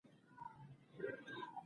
طیاره د هوا د مقاومت خلاف حرکت کوي.